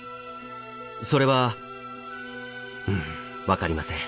それは分かりません。